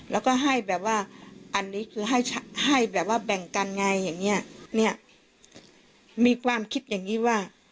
แล้วก็ให้แบบว่าอันนี้คือให้ให้แบบว่าแบ่งกันไงอย่างเงี้ยเนี่ยมีความคิดอย่างงี้ว่า